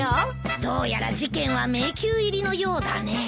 どうやら事件は迷宮入りのようだね。